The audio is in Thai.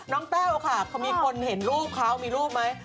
น้องแต้วค่ะเค้ามีคนเห็นรูปเค้ามีรูปไหม